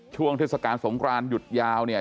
ช่วงเทศกาลสงครานหยุดยาวเนี่ย